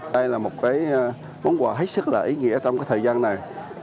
đây là một món quà hết sức là ý nghĩa trong cái thời gian này